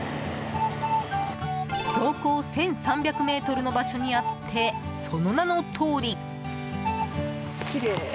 標高１３００ｍの場所にあってその名のとおり。